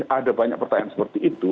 ada banyak pertanyaan seperti itu